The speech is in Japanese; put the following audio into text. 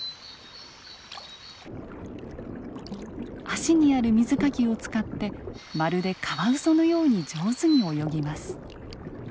足にある水かきを使ってまるでカワウソのように上手に泳ぎます。